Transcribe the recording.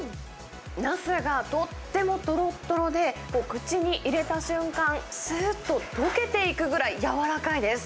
ナスがとってもとろっとろで、口に入れた瞬間、すーっと溶けていくぐらい柔らかいです。